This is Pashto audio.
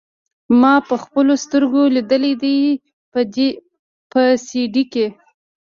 ما پخپلو سترګو ليدلي دي په سي ډي کښې.